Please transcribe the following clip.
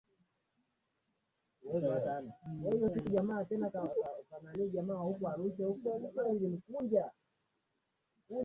kenya maandalizi ya kombe la klabu bingwa